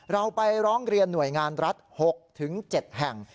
เราไปร้องเรียนหน่วยงานรัฐ๖๗แห่ง